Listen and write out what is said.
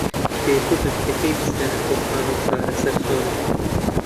فێرببن کە کەی بچنە نەخۆشخانە و چارەسەر چۆنە.